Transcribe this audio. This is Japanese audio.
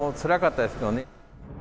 大変つらかったですけどね。